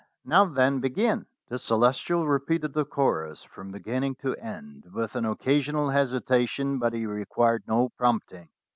Now, then, begin." The Celestial repeated the chorus from beginning to end with an occasional hesitation, but he required no prompting.